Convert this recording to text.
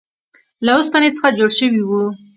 له اوسپنې څخه جوړ شوی و.